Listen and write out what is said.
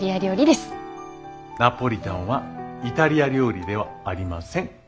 ナポリタンはイタリア料理ではありません。